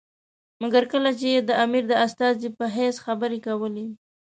مګر کله چې یې د امیر د استازي په حیث خبرې کولې.